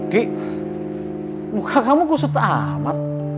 gi bukan kamu khusus aman